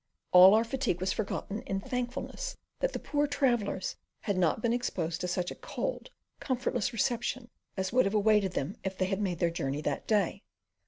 All our fatigue was forgotten in thankfulness that the poor travellers had not been exposed to such a cold, comfortless reception as would have awaited them if they had made their journey that day.